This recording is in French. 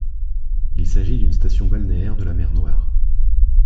Il s'agit une station balnéaire de la mer Noire.